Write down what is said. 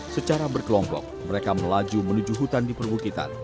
secara berkelompok mereka melaju menuju hutan di perbukitan